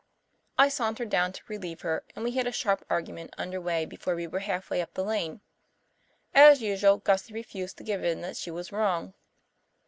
I sauntered down to relieve her, and we had a sharp argument under way before we were halfway up the lane. As usual Gussie refused to give in that she was wrong.